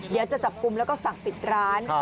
เดี๋ยวจะจับกลุ่มแล้วก็สั่งปิดร้าน